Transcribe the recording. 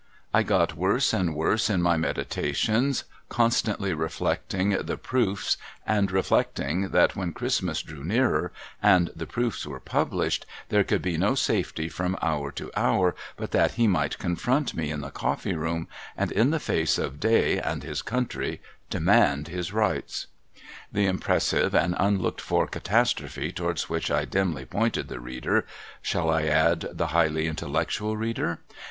I got worse and worse in my meditations, constantly reflecting ' The Proofs,' and reflecting that when Christmas drew nearer, and the Proofs were published, there could be no safety from hour to hour but that He might confront me in the Coffee room, and in the face of day and his country demand his rights. The impressive and unlooked for catastrophe towards which I dimly pointed the reader (shall I add, the highly intellectual reader?)